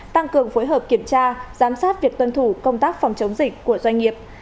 tăng cường phối hợp kiểm tra giám sát việc tuân thủ công tác phòng chống dịch của doanh nghiệp